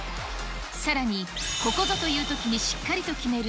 さらに、ここぞというときにしっかりと決める